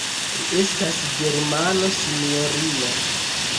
Li estas Germano, sinjorino.